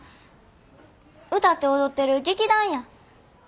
歌って踊ってる劇団や。